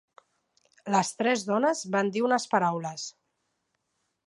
Les tres dones van dir unes paraules.